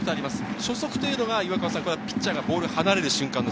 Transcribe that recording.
初速というのは、ピッチャーからボールが離れる瞬間。